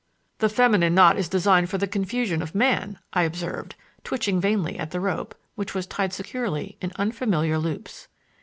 "The feminine knot is designed for the confusion of man," I observed, twitching vainly at the rope, which was tied securely in unfamiliar loops.